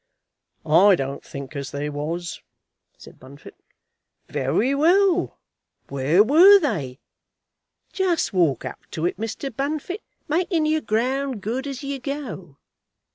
"I don't think as they was," said Bunfit. "Very well; where were they? Just walk up to it, Mr. Bunfit, making your ground good as you go.